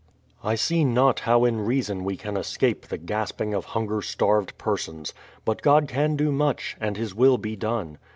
I see not how in reason we can escape the gasping of hunger starved persons; but God can do much, and His will be done.